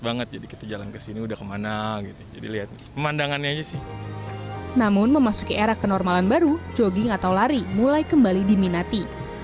namun memasuki era kenormalan baru jogging atau lari mulai kembali diminati